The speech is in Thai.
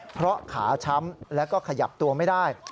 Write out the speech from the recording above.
เพราะขาช้ำแล้วก็ขยับตัวไม่ได้